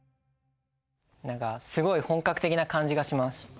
何かすごい本格的な感じがします。